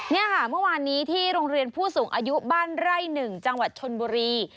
นี่ค่ะเมื่อวานนี้ที่โรงเรียนผู้สูงอายุบ้านไร่๑จังหวัดชนบุรี